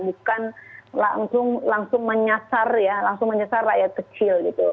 bukan langsung menyasar rakyat kecil